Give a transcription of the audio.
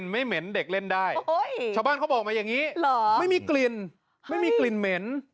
เมื่อกลิ่นไม่เหม็น